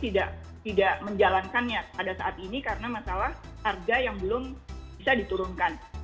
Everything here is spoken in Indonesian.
tidak menjalankannya pada saat ini karena masalah harga yang belum bisa diturunkan